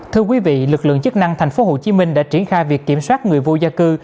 thưa quý vị lực lượng chức năng tp hcm đã triển khai việc kiểm soát người vô gia cư